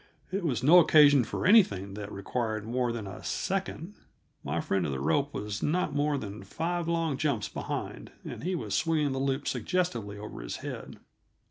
It was no occasion for anything that required more than a second; my friend of the rope was not more than five long jumps behind, and he was swinging that loop suggestively over his head.